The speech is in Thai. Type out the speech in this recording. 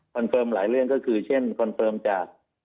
เฟิร์มหลายเรื่องก็คือเช่นคอนเฟิร์มจาก